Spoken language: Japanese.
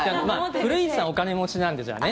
古市さんお金持ちなんですよね？